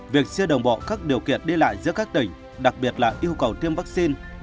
việc chia đồng bộ các điều kiện đi lại giữa các tỉnh đặc biệt là yêu cầu tiêm vaccine